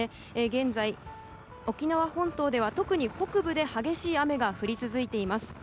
現在、沖縄本島では特に北部で激しい雨が降り続いています。